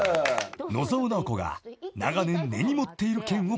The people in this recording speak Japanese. ［野沢直子が長年根に持っている件を暴露］